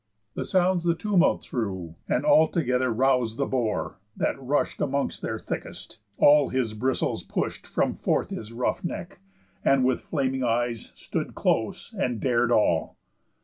The sounds the tumult threw, And all together, rous'd the boar, that rush'd Amongst their thickest, all his bristles push'd From forth his rough neck, and with flaming eyes Stood close, and dar'd all.